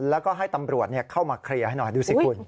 แล้วก็ให้ตำรวจเข้ามาเคลียร์ให้หน่อยดูสิคุณ